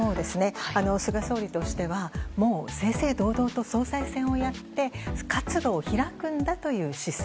菅総理としてはもう正々堂々と総裁選をやって活路を開くんだという姿勢。